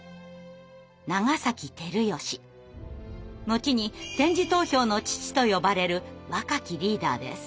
後に「点字投票の父」と呼ばれる若きリーダーです。